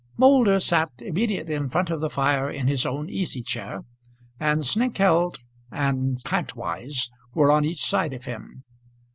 Moulder sat immediately in front of the fire in his own easy chair, and Snengkeld and Kantwise were on each side of him.